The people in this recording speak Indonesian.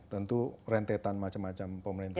tentu rentetan macam macam pemerintahan